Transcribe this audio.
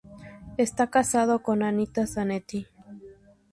Está casado con Anita Zanetti.